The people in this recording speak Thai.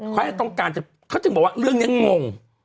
เขาจะต้องการเขาจึงบอกว่าเรื่องนี้งง